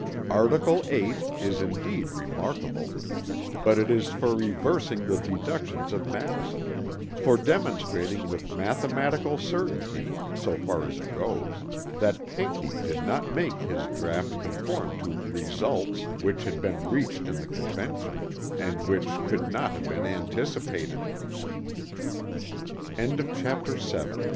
Article VIII is indeed remarkable; but it is for reversing the deductions of Madison; for demonstrating with mathematical certainty (so far as it goes), that Pinckney did not make his draught conform to "results" which had been reached in the Convention, and which "could not have been anticipated." CHAPTER VIII. THE IM